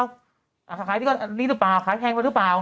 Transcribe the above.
นี่หรือเปล่านี่หรือเปล่าขายแพงหรือเปล่า